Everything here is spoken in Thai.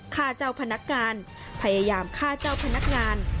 ฆ่าเจ้าพนักงานพยายามฆ่าเจ้าพนักงาน